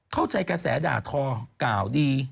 เข้าใจกระแสด่าทอก่าวดี